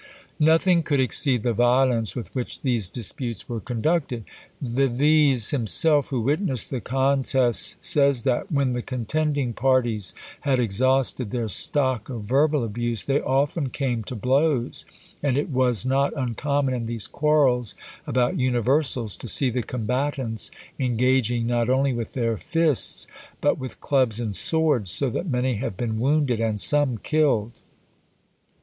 Nothing could exceed the violence with which these disputes were conducted. Vives himself, who witnessed the contests, says that, "when the contending parties had exhausted their stock of verbal abuse, they often came to blows; and it was not uncommon in these quarrels about universals, to see the combatants engaging not only with their fists, but with clubs and swords, so that many have been wounded and some killed."